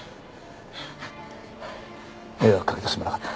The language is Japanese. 迷惑かけてすまなかった。